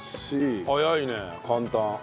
早いね簡単。